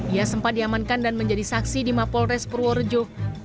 ia sempat diamankan dan menjadi saksi di mapolres purworejo